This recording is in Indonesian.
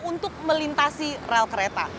untuk melintasi rel kereta